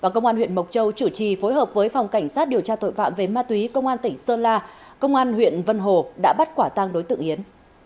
công an huyện mộc châu chủ trì phối hợp với phòng cảnh sát điều tra tội phạm về ma túy công an tỉnh sơn la công an huyện vân hồ đã bắt quả tăng đối tượng yến